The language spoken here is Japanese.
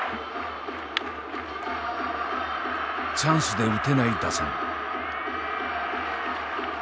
チャンスで打てない打線。